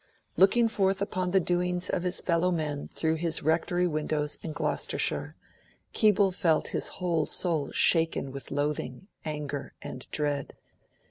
Looking forth upon the doings of his fellow men through his rectory windows in Gloucestershire, Keble felt his whole soul shaken with loathing, anger, and dread.